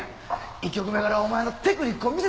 １曲目からお前のテクニックを見せつけるんや！